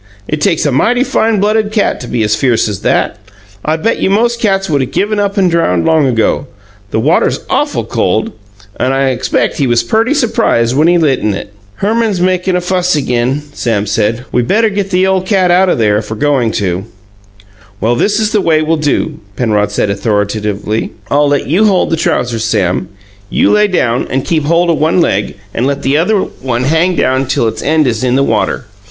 It takes a mighty fine blooded cat to be as fierce as that. I bet you most cats would 'a' given up and drowned long ago. The water's awful cold, and I expect he was perty supprised when he lit in it." "Herman's makin' a fuss again," Sam said. "We better get the ole cat out o' there if we're goin' to." "Well, this is the way we'll do," Penrod said authoritatively: "I'll let you hold the trousers, Sam. You lay down and keep hold of one leg, and let the other one hang down till its end is in the water.